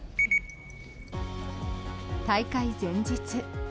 大会前日。